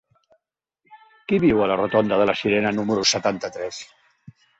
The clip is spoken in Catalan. Qui viu a la rotonda de la Sirena número setanta-tres?